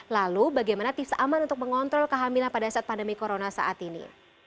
lalu bagaimana tips aman untuk mengontrol kehamilan pada saat pandemi corona saat ini